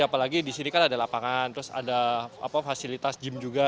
apalagi di sini kan ada lapangan terus ada fasilitas gym juga